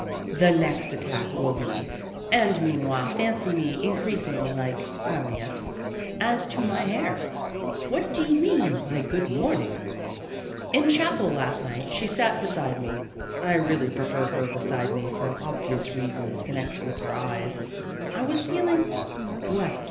The next attack will be and meanwhile fancy me increasingly like ALneas " as to my hair "" What do you mean by ' good morning '?" In chapel last night she sat beside me (I really prefer her beside me for obvious reasons connected with her eyes). I was feeling what